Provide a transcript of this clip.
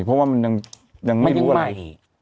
เพราะว่ามันยังไม่รู้อะไร